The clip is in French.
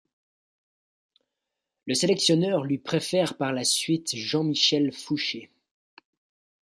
Le sélectionneur lui préfère par la suite Jean-Michel Fouché.